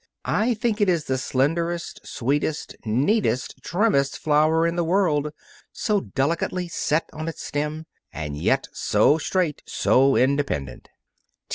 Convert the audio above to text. I think it is the slenderest, sweetest, neatest, trimmest flower in the world, so delicately set on its stem, and yet so straight, so independent."